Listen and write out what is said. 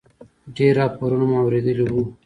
ډېر راپورونه مو اورېدلي و.